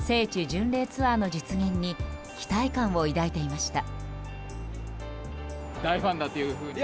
巡礼ツアーの実現に期待感を抱いていました。